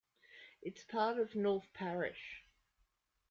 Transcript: It is part of North Parish.